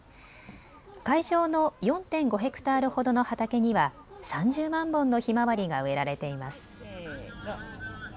会場の４．５ヘクタールほどの畑には３０万本のひまわりが植えられています。